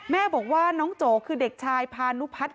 แม่บอกว่าน้องโจคือเด็กชายพานุพัฒน